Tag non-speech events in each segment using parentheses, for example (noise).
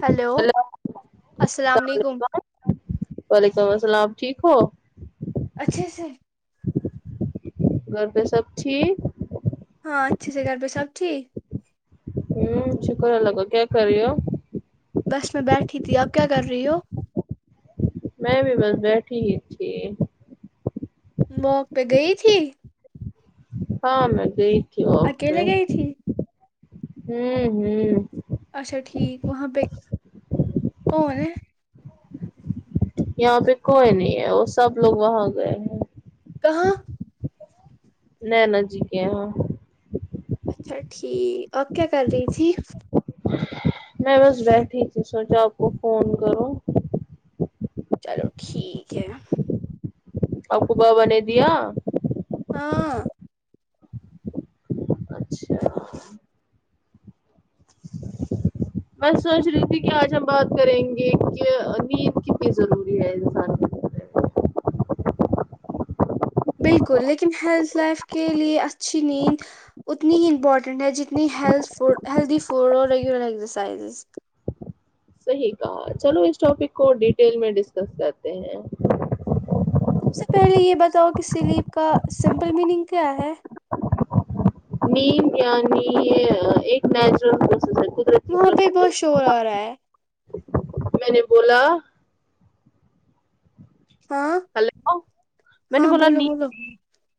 hello السلام علیکم وعلیکم السلام ٹھیک ہو اچھے سے گھر پہ سب ٹھیک ہاں اچھے سے گھر پہ سب ٹھیک ہوں شکر اللہ کا کیا کری ہو بس میں بیٹھی تھی آپ کیا کر رہی ہو میں بھی بس بیٹھی ہی تھی واک پہ گئی تھی ہاں میں گئی تھی آپ ہوں ہ اچھا ٹھیک وہاں ب کون ہے یہاں پہ کوئی نہیں ہے وہ سب لوگ وہاں گئے ہیں کہاں نینا جی کی ہاں اچھا ٹھیک اپ کیا کر رہی تھی میں بس بیٹھی تھی سوچا آپ کو فون کرو چلو ٹھیک ہے اپکو بابا نے دیا ہاں اچھا میں سوچ رہی تھی کہ آج ہم بات کریں گے کہ نیند کتنی ضروری ہے انسان کو بالکل لیکن ہیلتھ لائف کے لئے اچھی نیند اتنی ہی امپورٹنٹ ہے جتنی ہیل ہیلدی فوڈ اور ریگولر ایکسرسائزز صحیح کہا چلو اس ٹاپک کو ڈیٹیل میں ڈسکس کرتے ہیں سب سے پہلے یہ بتاؤ کہ سلیپ کا سمپل میننگ کیا ہے نیند یعنی ایک نیچرل پروس ہےقدرتی وہاں پہ بہت شور آ رہا ہے میں نے بولا ہلو میں نے بولا نیند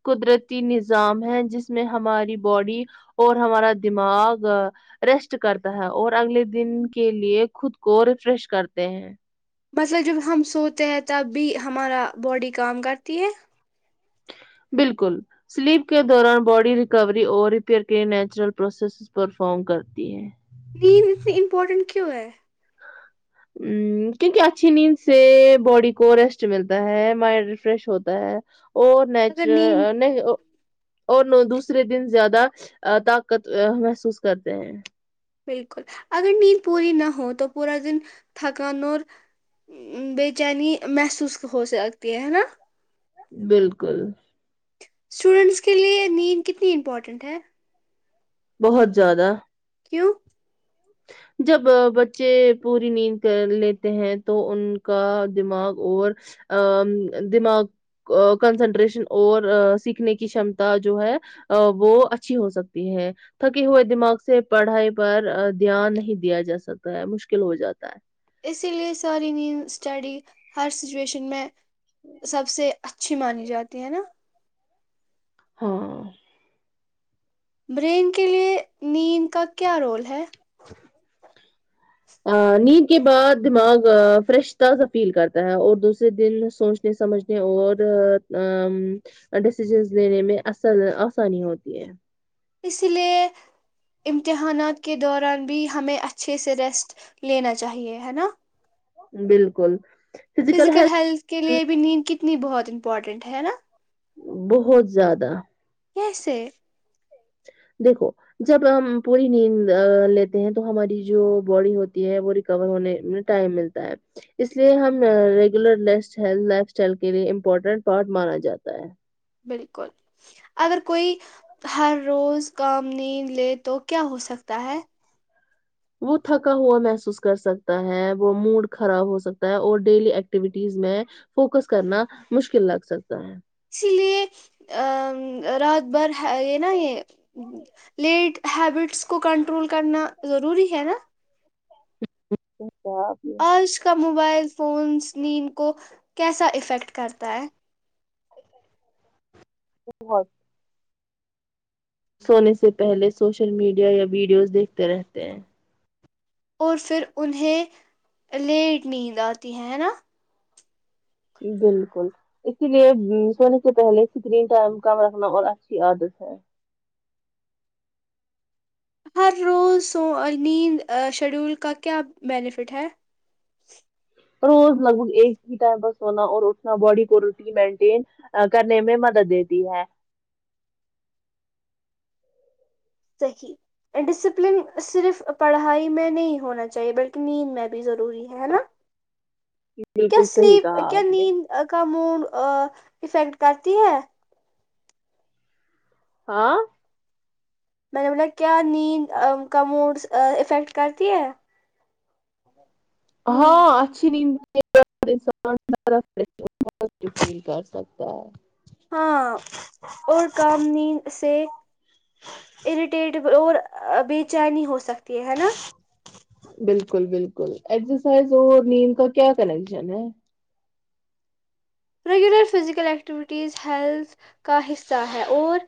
قدرتی نظام ہے جس میں ہماری باڈی اور ہمارا دماخ مب ریسٹ کرتا ہے اور اگلے دن کے لیے خود کو ریفریش کرتے ہیں مطلب جب ہم سوتے ہیں تب بھی ہمارا باڈی کام کرتی ہے بالکل سلیپ کے دوران باڈی ریکوری اور ریپیئر کے نیچرل پروسیس پرککفارم کرتی ہے نیند امپورٹنٹ کیوں ہے ہ کیونکہ اچھی نیند سے باڈی کو ریسٹ ملتا ہے مائنڈ ریفریش ہوتا ہے اور نیچر نہیں اور لو دوسرے دن زیادہ طاقت محسوس کرتے ہیں بالکل اگر نیند پوری نہ ہو تو پورا دن تھکان اور بہ چینی محسوس ہو سکتی ہے نا بالکل اسٹوڈنٹس کے لیے نیند کتنی امپورٹنٹ ہے بہت زیادہ کیوں جب بچے پوری نیند کر لیتے ہیں تو ان بکا دماغ اور آ دماغ کنسنٹریشن اور سیکھنے کی شمتا جو ہے وہ اچھی ہو سکتی ہے تھکے ہوئے دماغ سے پڑھائی پر دھیان نہیں دیا جا سکتا ہے مشکل ہو جاتا ہے اسی لیے ساری نیند اسٹڈی ہر سچویشن میں سب سے اچھی مانی جاتی ہے نا ہاں برین کے لیے نیند کا کیا رول ہے نیند کے بعد دماغ فریش تازہ فیل کرتا ہے اور دوسرے دن سوچ سمجھنے اور ڈسیزن لینے میں اصل آسانی ہوتی ہے اسی لیے امتحانات کے دوران بھی ہمیں اچھے سے ریسٹ لینا چاہیے ہے نا بالکل فزیکل ہیلتھ کے لیے بھی نیند کتنی بہت امپارٹنٹ ہے نا بہت زیادہ کیسے دیکھو جب ہم پوری نیند لیتے ہیں تو ہماری جو باڈی ہوتی ہے وہ ریکور ہونے میں ٹائم ملتا ہے اس لیے ہم ریگولر لائف اسٹائل کے لیے امپورٹینٹ پارٹ مانا جاتا ہے بالکل اگر کوئی ہر روز کام نہیں لے تو کیا ہو سکتا ہے وہ تھکا ہوا محسوس کر سکتا ہے وہ موڈ خراب ہو سکتا ہے اور ڈیلی ایکٹیویٹیز میں فوکس کرنا مشکل لگ سکتا ہے اسی لیے رات بھر ہے نا یہ لیٹ ہیبٹس کو کنٹرول کرنا ضروری ہے نا چ آ (unintelligible) آج کل موبائل فونس نیند کو کیسا افیکٹ کرتا ہے ا (unintelligible) سونے سے پہلے سوشل میڈیا یا ویڈیوز دیکھتے رہتے ہیں اور پھر انہیں لیٹ نیند آتی ہے ہے نا بالکل اسی لیے سونے سے پہلے اسکرین ٹائم کم رکھنا اور اچھی عادت ہے ہر روز سو نیند شیڈول کا کیا بینیفٹ ہے روز لگ بگ ایک ہی ٹائم پر سونا اور اٹھنا باڈی کو روٹین مینٹین کرنے میں مدد دیتی ہے صحیح ڈسپلن صرف پڑھائی میں نہیں ہونا چاہیے بلکہ نیند میں بھی ضروری ہے ہے نا کیا سلیپ کیا نیند کا مونڈ افیکٹ کرتی ہے ہاں میں نے بولا کیا نیند کا موڈس افیکٹ کرتی ہے ہاں اچھی نیند ف کر سکتا ہے (unintelligible) ہاں اور کم نیند سے اریٹیٹ اور بےچینی ہو سکتی ہے ہے نا بالکل بالکل ایکسا سائز اور نیند کا کیا کنیکشن ہے ریگولر فزیکل ایکٹیویٹیز ہیلتھ کا حصہ ہے اور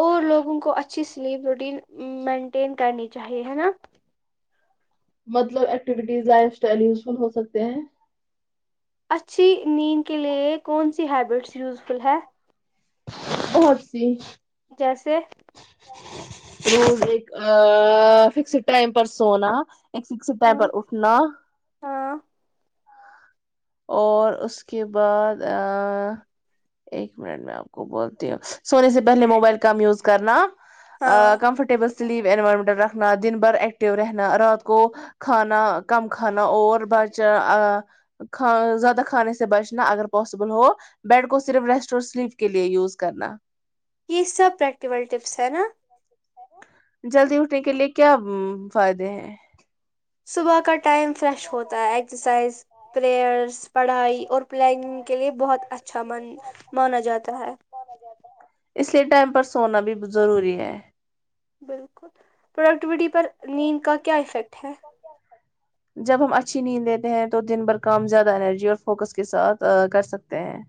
اور لوگوں کو اچھی سلیپ روٹین مینٹین کرنی چاہیے ہے نا مطلب ایکٹیوٹیز لائف اسٹائل یوزفل ہو سکتے ہیں اچھی نیند کے لیے کون سی ہیبٹس یوزفل ہے بہت سی جیسے روز ایک آ فکسڈ ٹائم پر سونا ایک فکسڈ ٹائم پر اٹھنا اور اس کے بعد آ ایک منٹ میں آپ کو بولتی ہوں سونے سے پہلے موبائل کم یوز کرنا کمفرٹیبل سلیو انوائرمنٹ رکھنا دن بھر ایکٹیو رہنا رات کو کھانا کم کھانا اور بچ آ کاں زیادہ کھانے سے بچنا اگر پاسبل ہو بیڈ کو صرف ریسٹ اور سلیپ کے لیے یوز کرنا یہ سب پرییکٹیکل ٹپس ہیں نا جلدی اٹھنے کے لیے کیا فائدے ہیں صبح کا ٹائم فریش ہوتا ہے اکساسائز پریئرس پڑھائی اور پلاننگ کے لیے بہت اچھا من مانا جاتا ہے اس لیے ٹائم پر سونا بھی ضروری ہے بالکل پروڈکٹیوٹی پر نیند کا کیا افیکٹ ہے جب ہم اچھی نیند دیتے ہیں تو دن بھر کام زیادہ انرجی اور فوکس کے ساتھ کر سکتے ہیں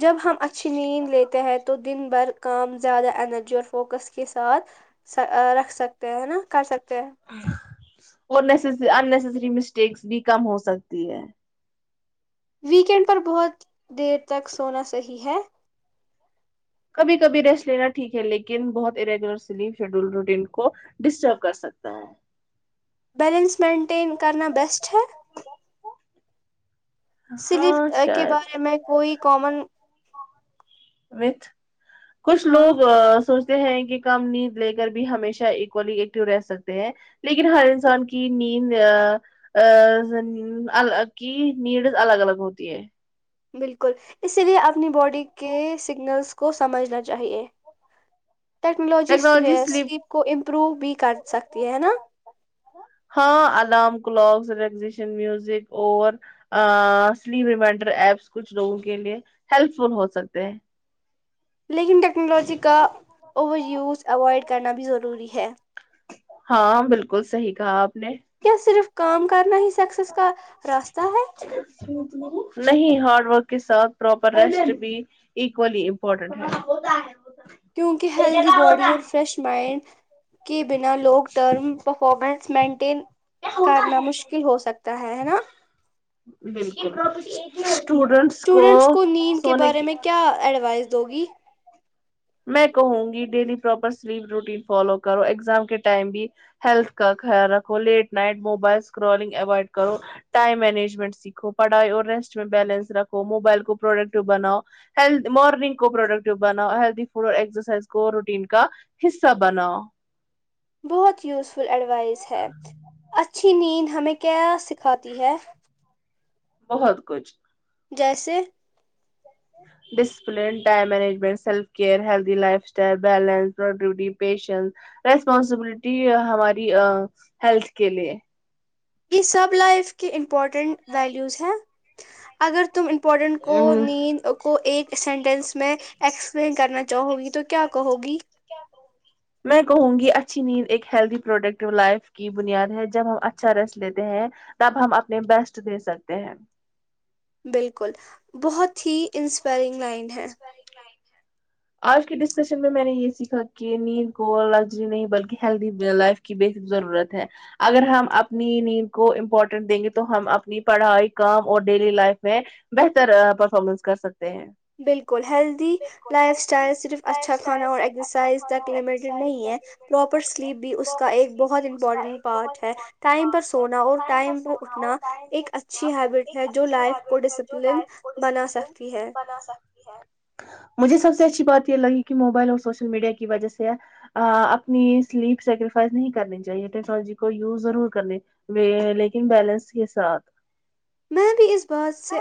جب ہم اچھی نیند لیتے ہیں تو دن بھر کام زیادہ انرجی اور فوکس کے ساتھ رکھ سکتے ہیں ہے نا کر سکتے ہیں اور نیسا اننیسسری مسٹیکس بھی کم ہو سکتی ہے ویکینڈ پر بہت دیر تک سونا صحیح ہے کبھی کبھی ریسٹ لینا ٹھیک ہے لیکن بہت اریگولر سلیپ شیڈول روٹین کو ڈسٹرب کر سکتا ہے بیلنس مینٹین کرنا بیسٹ ہے سلیف کے بارے میں کوئی کامن وتھ کچھ لوگ سوچ ہیں کہ کم نیند لے کر بھی ہمیشہ ایکولی ایکٹو رہ سکتے ہیں لیکن ہر انسان کی نیند ا کی نیڈز الگ الگ ہوتی ہے بالکل اسی لیے اپنی باڈی کے سگنلس کو سمجھنا چاہیے ٹیکنالوجی سلیپ کو امپروو بھی کر سکتی ہے ہے نا ہاں الارم کلاک ریگزیشن میوزک اور ا سلیم ریمائنڈر ایپس کچھ لوگوں کے لیے ہیلپ فل ہو سکتے ہیں لیکن ٹیکنالوجی کا اوور یوز اوائڈ کرنا بھی ضروری ہے ہاں بالکل صحیح کہا آپ نے کیا صرف کام کرنا ہی سکسیس کا راستہ ہے نہیں ہارڈ ورک کے ساتھ پراپر ریسٹ بھی ایکولی امپورٹنٹ ہے کیونکہ ہیلدی باڈی فریش مائنڈ کے بنا لانگ ٹرم پرفارمنس مینٹین کرنا مشکل ہو سکتا ہے ہے نا بالکل اسٹوڈنٹس کو سونے کی کیا ایڈوائس دو گی میں کہوں گی daily proper sleep routine follow کرو ایگزام کے ٹائم بھی ہیلتھ کا خیال رکھو late night mobile scrolling avoid کرو ٹائم مینجمنٹ سیکھو پڑھائی اور ریسٹ میں بیلنس رکھو موبائل کو پروڈکٹ بناؤ ہیلد مارنگ کو پروڈکٹ جو بنا ہیلدی فٹ اور ایکسرسائز کو روٹین کا حصہ بناؤ بہت یوزفل ایڈوائس ہے اچھی نیند ہمیں کیا سکھاتی ہے بہت کچھ جیسے discipline time management self care healthy lifestyle balance petition responsibility ہماری ہیلتھ کے لیے یہ سب لائف کے امپورٹینٹ ویلیوز ہیں اگر تم امپورٹنٹ کو نیند کو ایک سینٹینس میں اسپلین کرنا چاہو گی تو کیا کہو گی کیا کہوںگی میں کہوں گی اچھی نیند ایک ہیلدی پروڈکٹ لائف کی بنیاد ہے جب ہم اچھا ریسٹ لیتے ہیں تب ہم اپنے بیسٹ دے سکتے ہیں بالکل بہت ہی انسپائرنگ لائن ہے آج کے ڈسکشن میں میں نے یہ سیکھا کہ نیند کو لگژری نہیں بلکہ ہیلدی لائف کی بحد ضرورت ہے اگر ہم اپنی نیند کو امپورٹینٹ دیں گے تو ہم اپنی پڑھائی کام اور ڈیلی لائف میں بہتر پرفارمنس کر سکتے ہیں بالکل ہیلدی لائف سٹائل صرف اچھا کھانا اور ایکسرسائز تک نہیں ہے پراپر سلیپ بھی اس کا ایک بہت امپورٹنٹ پارٹ ہے ٹائم پر سونا اور ٹائم پر اٹھنا ایک اچھی ہیبٹ ہے جو لائف کو ڈسپلن بنا سکتی ہے مجھے سب سے اچھی بات یہ لگی کہ موبائل اور سوشل میڈیا کی وجہ سے اپنی سلیپ سیکریفائز نہیں کرنی چاہیے ٹیکنالوجی کو یوز ضرور کرنے لیکن بیلنس کے ساتھ میں بھی اس بات سے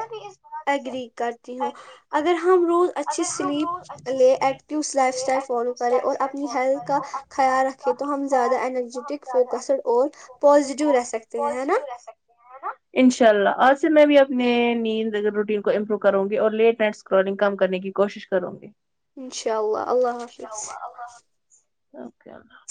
ایگری کر تی ہوں اگر ہم روز اچھی سلیپ لے ایکٹو لائف اسٹائل فالو کرے اور اپنی ہیلتھ کا خیال رکھے تو ہم زیادہ انرجیٹک فوکسڈ اور پوزیٹیو رہ سکتے ہیں ہے نا انشاء اللہ آج سے میں بھی اپنے نیند روٹین کو امپرو کروں گے اور لیٹ نائٹ اسکرولنگ کم کرنے کی کوشش کروں گی ان شاء اللہ اللہ حافظ اوکے اللہ حافظ